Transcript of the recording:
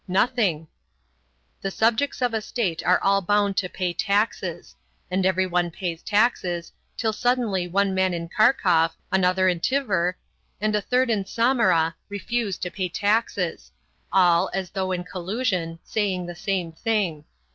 "Nothing." The subjects of a state are all bound to pay taxes. And everyone pays taxes, till suddenly one man in Kharkov, another in Tver, and a third in Samara refuse to pay taxes all, as though in collusion, saying the same thing.